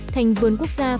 thành vườn quốc gia phong nha